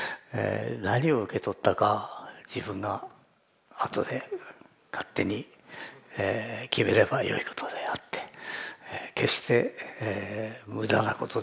何を受け取ったか自分があとで勝手に決めればよいことであって決して無駄なことではなかった。